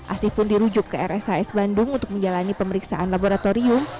asih pun dirujuk ke rshs bandung untuk menjalani pemeriksaan laboratorium